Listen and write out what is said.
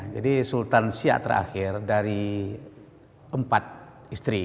jadi sultan siak terakhir dari empat istri